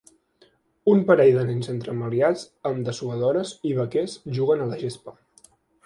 Un parell de nens entremaliats amb dessuadores i vaquers juguen a la gespa.